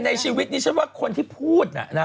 ในชีวิตนี้ฉันว่าคนที่พูดน่ะนะ